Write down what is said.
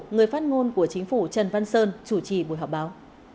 người phát ngôn của chính phủ trần văn sơn chủ trì buổi họp báo